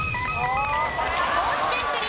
高知県クリア！